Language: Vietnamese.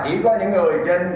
thì mới tiêm ở bệnh viện